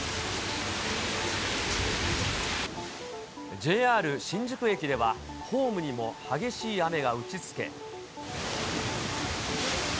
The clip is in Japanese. ＪＲ新宿駅では、ホームにも激しい雨が打ちつけ。